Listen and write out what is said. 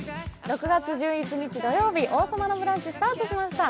６月１１日土曜日、「王様のブランチ」スタートしました。